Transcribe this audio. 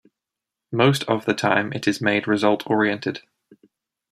Most of the time it is made result oriented.